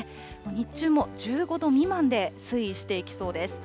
日中も１５度未満で推移していきそうです。